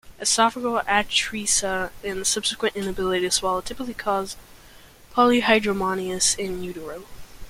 Esophageal atresia and the subsequent inability to swallow typically cause polyhydramnios in utero.